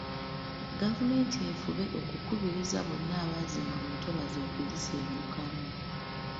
Gavumenti efube okukubiriza bonna abaazimba mu ntobazi okuzisengukamu.